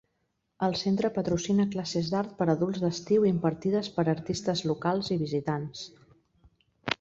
El centre patrocina classes d'art per a adults d'estiu impartides per artistes locals i visitants.